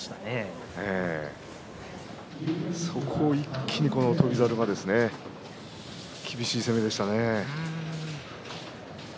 一気に翔猿が厳しい攻めでしたね。